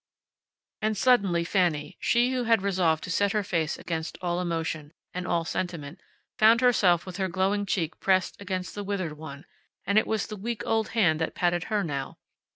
And suddenly Fanny, she who had resolved to set her face against all emotion, and all sentiment, found herself with her glowing cheek pressed against the withered one, and it was the weak old hand that patted her now.